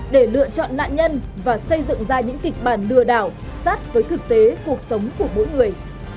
để lựa chọn nạn nhân và xây dựng ra những kịch bản lừa đảo sát với thực tế cuộc sống của mỗi người